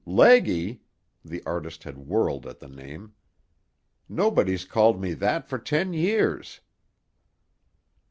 "Leggy!" The artist had whirled at the name. "Nobody's called me that for ten years."